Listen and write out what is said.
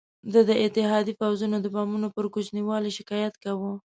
ده د اتحادي پوځونو د بمونو پر کوچني والي شکایت کاوه.